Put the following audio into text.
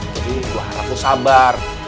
jadi gue harap lo sabar